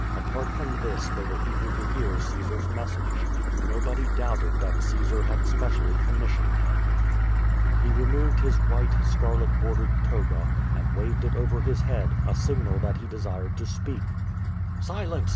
Apart from this they were eager to hear Caesar's message. Nobody doubted that Caesar had specially commissioned him. He removed his white, scarlet bordered toga, and waved it over his head, a signal that he desired to speak. '^Silence!